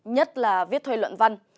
nhất là viết thuê luận văn